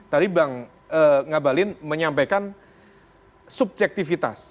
tadi bang ngabalin menyampaikan subjektivitas